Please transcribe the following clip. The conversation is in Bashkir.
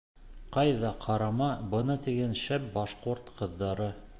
— Ҡайҙа ҡарама, бына тигән шәп башҡорт ҡыҙҙары.